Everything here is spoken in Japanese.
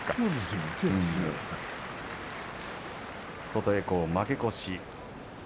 琴恵光は負け越しです。